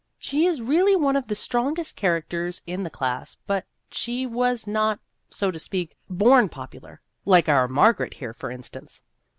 She is really one of the strongest charac ters in the class, but she was not so to speak born popular, like our Margaret here, for instance."